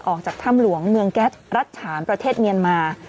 ออกจากถ้ำหลวงเมืองแก๊สรัชฉานประเทศเมียนมา